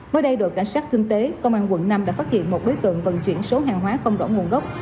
mới đây đội cảnh sát kinh tế công an quận năm đã phát hiện một đối tượng vận chuyển số hàng hóa không rõ nguồn gốc